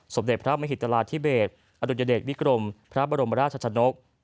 สมเด็จพระมหิตราธิเบสอดุญเดชวิกรมพระบรมราชชนก